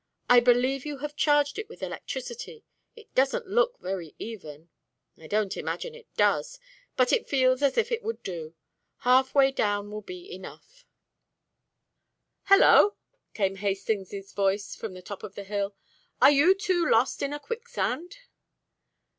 I believe you have it charged with electricity. It doesn't look very even." "I don't imagine it does. But it feels as if it would do. Half way down will be enough " "Hallo!" came Hastings's voice from the top of the hill. "Are you two lost in a quicksand?"